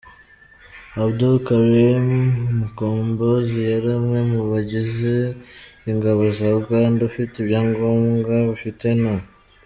Abdul Karim Mukombozi yari umwe mu bagize ingabo za Uganda, ufite ibyangombwa bifite No.